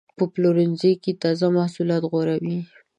په پلورنځي کې تازه محصولات غوره وي.